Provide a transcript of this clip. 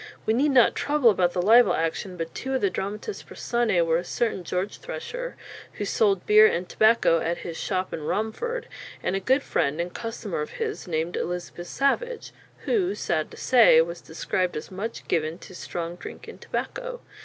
We need not trouble about the libel action, but two of the dramatis personæ were a certain George Thresher, who sold beer and tobacco at his "shopp in Romford," and a good friend and customer of his named Elizabeth Savage, who, sad to say, was described as much given to "stronge drincke and tobacco."